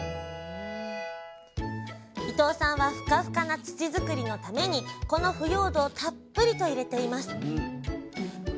伊藤さんはふかふかな土作りのためにこの腐葉土をたっぷりと入れています